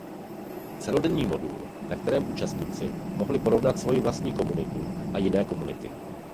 Celodenní modul na kterém účastníci mohli porovnat svoji vlastní komunitu a jiné komunity.